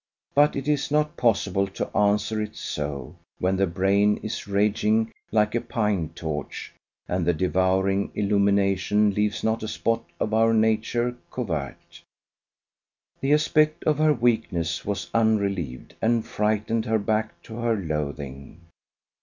But it is not possible to answer it so when the brain is rageing like a pine torch and the devouring illumination leaves not a spot of our nature covert. The aspect of her weakness was unrelieved, and frightened her back to her loathing.